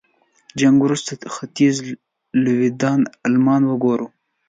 جنګ وروسته ختيځ لوېديځ المان وګورو.